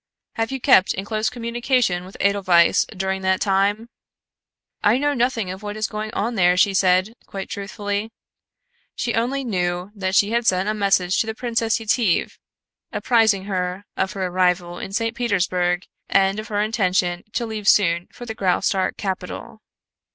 "Have you kept in close communication with Edelweiss during that time?" "I know nothing of what is going on there," she said, quite truthfully. She only knew that she had sent a message to the Princess Yetive, apprising her of her arrival In St. Petersburg and of her intention to leave soon for the Graustark capital.